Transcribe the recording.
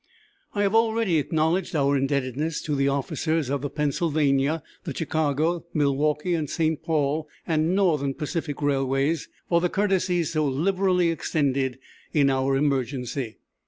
I have already acknowledged our indebtedness to the officers of the Pennsylvania; the Chicago, Milwaukee and St. Paul; and Northern Pacific railways for the courtesies so liberally extended in our emergency.